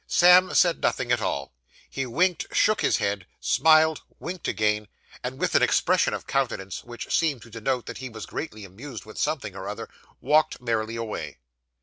Sam said nothing at all. He winked, shook his head, smiled, winked again; and, with an expression of countenance which seemed to denote that he was greatly amused with something or other, walked merrily away.